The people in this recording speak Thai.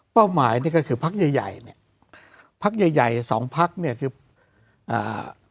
หมายนี่ก็คือพักใหญ่ใหญ่เนี้ยพักใหญ่ใหญ่สองพักเนี้ยคืออ่า